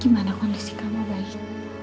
gimana kondisi kamu baik